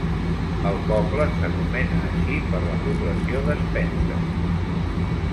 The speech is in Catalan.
El poble s'anomena així per la població de Spencer.